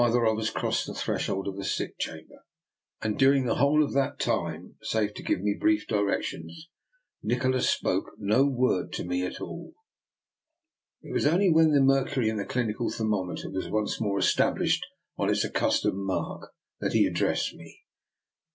From midnight until the following afternoon, neither of us crossed the threshold of the sick chamber, and during the whole of that time, save to give me brief directions, Nikola spoke no word to me at all. It was only when the mercury in the clinical thermometer was once more established on its accustomed mark that he addressed me.